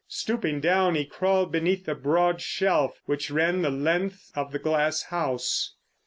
Stooping down he crawled beneath the broad shelf which ran the length of the glass house.